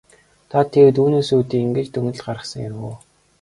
Та тэгээд үүнээс үүдэн ингэж дүгнэлт гаргасан хэрэг үү?